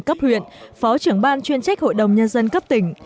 cấp huyện phó trưởng ban chuyên trách hội đồng nhân dân cấp tỉnh